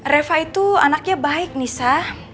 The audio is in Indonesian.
reva itu anaknya baik nisa